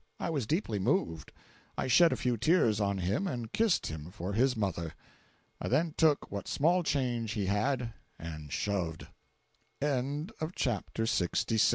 I was deeply moved. I shed a few tears on him and kissed him for his mother. I then took what small change he had and "shoved". 479.jpg (31K) C